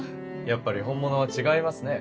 やっぱり本物は違いますね。